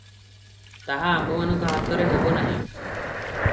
ତାହା ଆମ୍ଭମାନଙ୍କ ହାତରେ ହେବ ନାହିଁ ।